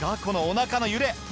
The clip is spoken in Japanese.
このお腹の揺れ。